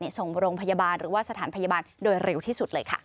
ส่งโรงพยาบาลหรือว่าสถานพยาบาลโดยเร็วที่สุดเลยค่ะ